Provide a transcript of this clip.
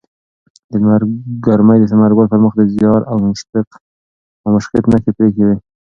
د لمر ګرمۍ د ثمرګل پر مخ د زیار او مشقت نښې پرېښې وې.